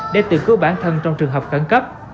để tự cứu bản thân trong trường hợp khẩn cấp